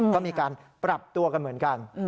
ก็มีการปรับตัวกันเหมือนกัน